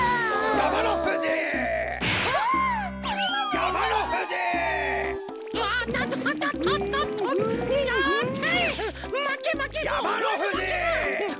やまのふじ！